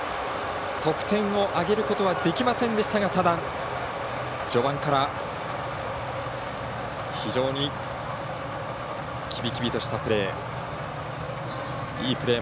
得点を挙げることはできませんでしたがただ、序盤から非常にきびきびとしたプレー。